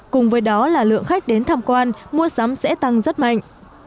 cùng với đó là lượng khách đến tham quan mua sắm sẽ tăng rất mạnh